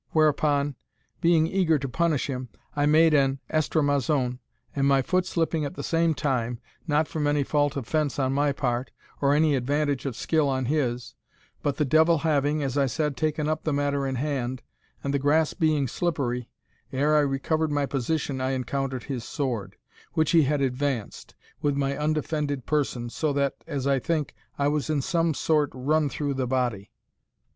Whereupon, being eager to punish him, I made an estramazone, and my foot slipping at the same time, not from any fault of fence on my part, or any advantage of skill on his, but the devil having, as I said, taken up the matter in hand, and the grass being slippery, ere I recovered my position I encountered his sword, which he had advanced, with my undefended person, so that, as I think, I was in some sort run through the body.